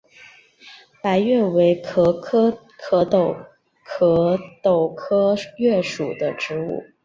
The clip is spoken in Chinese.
白栎为壳斗科栎属的植物。